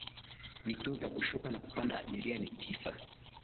Vituo vya kushuka na kupanda abiria ni tisa